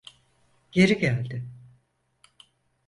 Geri geldi.